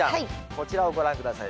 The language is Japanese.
こちらをご覧下さい。